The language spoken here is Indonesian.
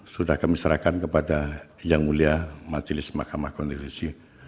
sudah kami serahkan kepada yang mulia majelis mahkamah konstitusi